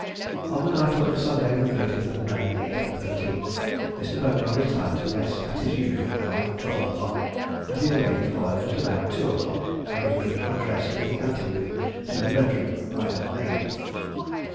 On the night of Sunday, the 30th of May, 1813, Mr. Bonar retired to rest, at his usual hour, twelve o'clock, and his lady followed at about two o'clock, having been undressed in the ante room to the bed room by her maid.